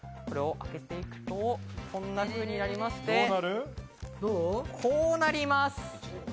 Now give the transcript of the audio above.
これを開けていくと、こんなふうになりまして、こうなります。